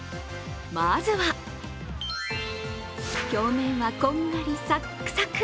まずは、表面はこんがりサックサク。